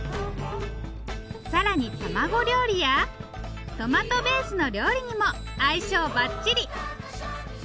更に卵料理やトマトベースの料理にも相性ばっちり！